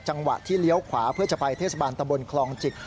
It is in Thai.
จังหวะที่เลี้ยวขวาเพื่อจะไปเทศบาลตะบนคลองจิก